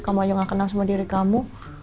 kamu aja gak kenal sama diri kamu